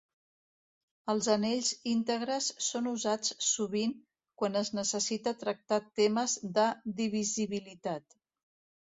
Els anells íntegres són usats sovint quan es necessita tractar temes de divisibilitat.